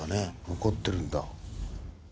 残ってるんだ。